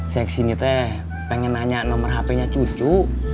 saya kesini teh pengen nanya nomor hp nya cucu